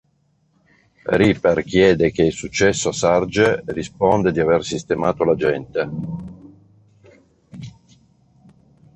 Reaper chiede che è successo e Sarge risponde di aver sistemato la gente.